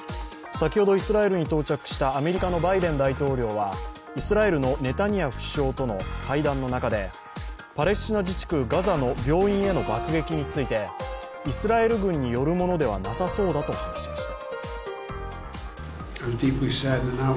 先ほどイスラエルに到着したアメリカのバイデン大統領は、イスラエルのネタニヤフ首相との会談の中でパレスチナ自治区ガザの病院への爆撃についてイスラエル軍によるものではなさそうだと話しました。